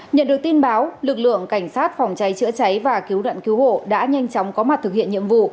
nhận được tin báo lực lượng cảnh sát phòng cháy chữa cháy và cứu nạn cứu hộ đã nhanh chóng có mặt thực hiện nhiệm vụ